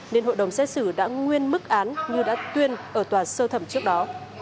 nên hội đồng xét xử đã nguyên mức án như đã tuyên ở tòa sơ thẩm trước đó